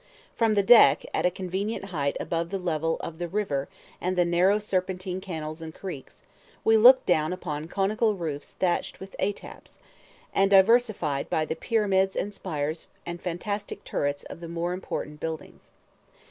From the deck, at a convenient height above the level of the river and the narrow serpentine canals and creeks, we looked down upon conical roofs thatched with attaps, and diversified by the pyramids and spires and fantastic turrets of the more important buildings.